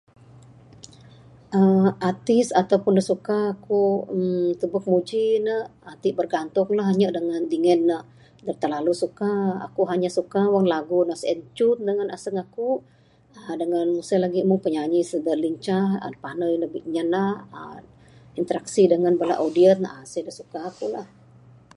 uhh Artis ataupun da suka ku uhh tubek muji ne uhh ti bergantung la anyap dangan dingan ne adep terlalu suka...aku hanya suka wang lagu ne sien cun dangan aseng aku... uhh dangan sien lagi meng penyanyi ne serba lincah, uhh panai ne nyanak, uhh interaksi dangan bala audien uhh sien da suka aku la.